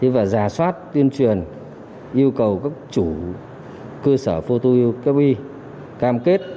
và giả soát tuyên truyền yêu cầu các chủ cơ sở phô tuyên truyền cam kết